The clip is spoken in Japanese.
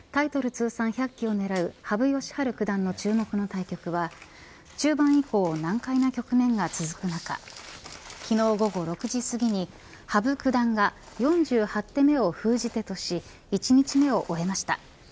通算１００期を狙う羽生善治九段の注目の対局は中盤以降、難解な局面が続く中昨日午後６時過ぎに羽生九段が４８手目を封じ手とし１日目を終えました。